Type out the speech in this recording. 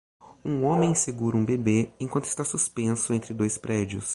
Um homem segura um bebê enquanto está suspenso entre dois prédios.